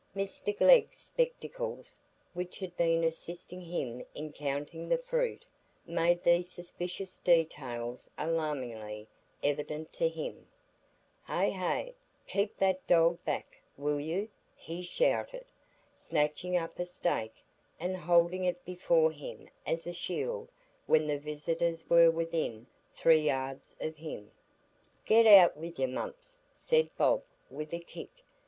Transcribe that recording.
Mr Glegg's spectacles, which had been assisting him in counting the fruit, made these suspicious details alarmingly evident to him. "Heigh! heigh! keep that dog back, will you?" he shouted, snatching up a stake and holding it before him as a shield when the visitors were within three yards of him. "Get out wi' you, Mumps," said Bob, with a kick.